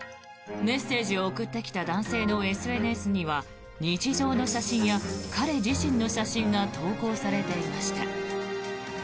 メッセージを送ってきた男性のＳＮＳには日常の写真や彼自身の写真が投稿されていました。